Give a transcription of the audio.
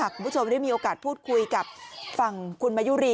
คุณผู้ชมได้มีโอกาสพูดคุยกับฝั่งคุณมายุรี